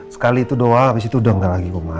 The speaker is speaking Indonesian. sekali itu doang abis itu udah gak lagi kok ma